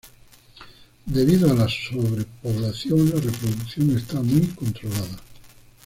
Debido a la sobrepoblación, la reproducción está muy controlada.